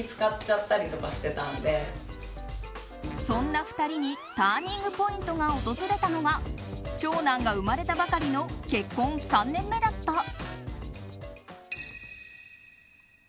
そんな２人にターニングポイントが訪れたのは長男が生まれたばかりの結婚３年目だった。